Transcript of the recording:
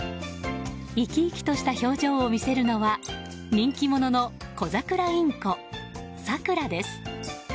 生き生きとした表情を見せるのは人気者のコザクラインコサクラです。